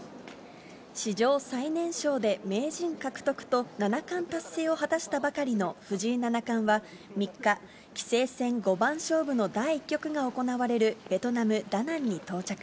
史上最年少で名人獲得と七冠達成を果たしたばかりの藤井七冠は、３日、棋聖戦五番勝負の第１局が行われるベトナム・ダナンに到着。